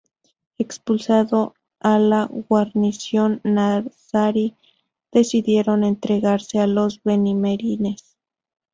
Expulsando a la guarnición nazarí, decidieron entregarse a los benimerines.